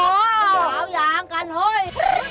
อ๋อทุ่มเฉทาวหยางกันเฮ้ย